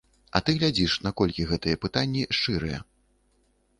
А ты глядзіш, наколькі гэтыя пытанні шчырыя.